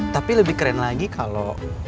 tapi lebih keren lagi kalau